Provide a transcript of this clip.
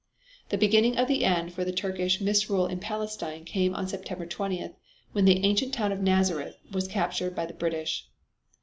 The beginning of the end for Turkish misrule in Palestine came on September 20th when the ancient town of Nazareth was captured by the British.